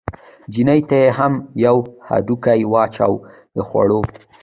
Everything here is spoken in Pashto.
چیني ته یې هم یو هډوکی واچاوه د خوړو.